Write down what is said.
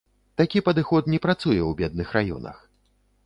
Такі падыход не працуе ў бедных раёнах.